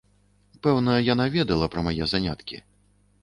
Пэўна, яна ведала пра мае заняткі.